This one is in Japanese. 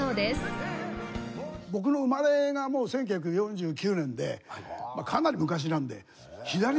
僕の生まれがもう１９４９年でかなり昔なのでえっ！